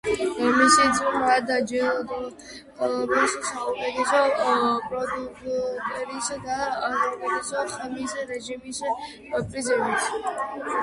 მისი ძმა დააჯილდოვეს საუკეთესო პროდიუსერის და საუკეთესო ხმის რეჟისორის პრიზებით.